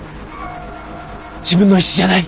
自分の意志じゃない！